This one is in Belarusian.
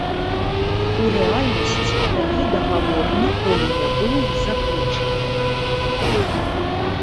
У рэальнасці такі дагавор ніколі не быў заключаны.